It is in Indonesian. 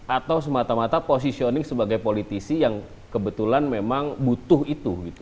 atau semata mata positioning sebagai politisi yang kebetulan memang butuh itu gitu